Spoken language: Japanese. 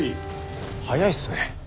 早いですね。